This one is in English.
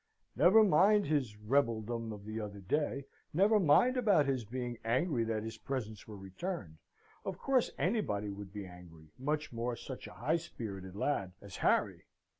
"Never mind his rebeldom of the other day; never mind about his being angry that his presents were returned of course anybody would be angry, much more such a high spirited lad as Harry!